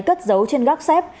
cất dấu trên gác xép